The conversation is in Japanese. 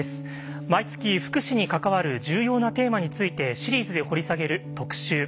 毎月福祉に関わる重要なテーマについてシリーズで掘り下げる特集。